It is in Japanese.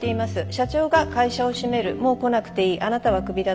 「社長が会社を閉めるもう来なくていいあなたはクビだと言った」。